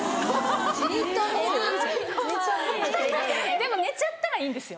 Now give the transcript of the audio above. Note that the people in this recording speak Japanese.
でも寝ちゃったらいいんですよ。